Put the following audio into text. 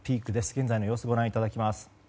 現在の様子をご覧いただきます。